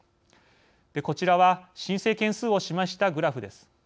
こちらは申請件数を示したグラフです。